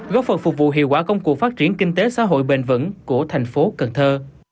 góp phần phục vụ hiệu quả công cụ phát triển kinh tế xã hội bền vững của thành phố cần thơ